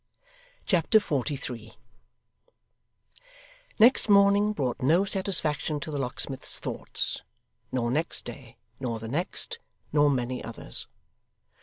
Chapter 43 Next morning brought no satisfaction to the locksmith's thoughts, nor next day, nor the next, nor many others.